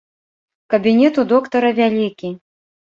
Кабінет у доктара вялікі.